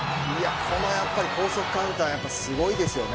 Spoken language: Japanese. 高速カウンターがすごいですよね。